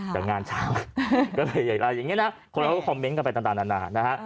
แต่งานเช้าก็เลยใหญ่อย่างนี้นะคนเขาก็คอมเมนต์กันไปต่างนานานะฮะ